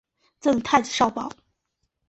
赠太子少保。